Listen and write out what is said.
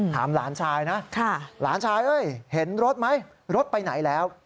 หลานชายนะหลานชายเห็นรถไหมรถไปไหนแล้ว